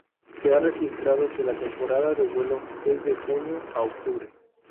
Se ha registrado que la temporada de vuelo es de junio a octubre.